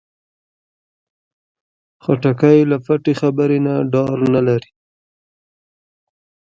خټکی له پټې خبرې نه ډار نه لري.